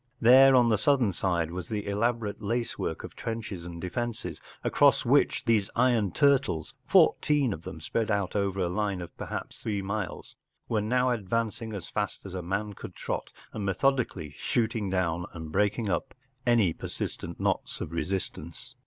Then on the southern side was the elaborate lace work of trenches and defences, across which these iron turtles, fourteen of them spread out over a line of perhaps three miles, were now advancing as fast as a man could trot, and methodically shooting down and breaking up any persistent knots of resistance.